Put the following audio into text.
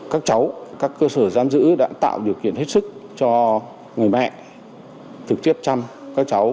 các cháu các cơ sở giam giữ đã tạo điều kiện hết sức cho người mẹ thực chất chăm các cháu